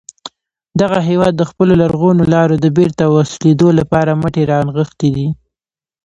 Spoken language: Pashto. دغه هیواد د خپلو لرغونو لارو د بېرته وصلېدو لپاره مټې را نغښتې دي.